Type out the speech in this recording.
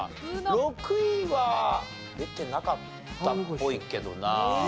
６位は出てなかったっぽいけどな。